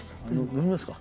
呑みますか。